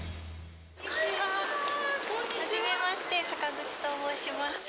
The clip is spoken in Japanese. こんにちは、初めまして、坂口と申します。